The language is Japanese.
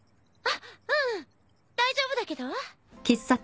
あっうん大丈夫だけど。